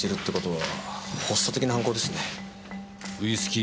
は